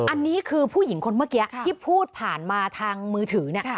อันนี้คือผู้หญิงคนเมื่อกี้ที่พูดผ่านมาทางมือถือเนี่ย